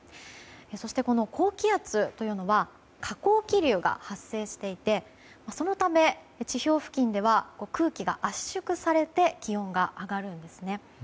そして、高気圧というのは下降気流が発生していてそのため、地表付近では空気が圧縮されて気温が上がるんですね。